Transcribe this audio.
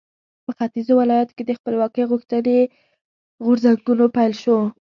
په ختیځو ولایاتو کې د خپلواکۍ غوښتنې غورځنګونو پیل شو.